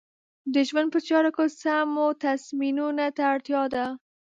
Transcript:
د ژوند په چارو کې سمو تصمیمونو ته اړتیا ده.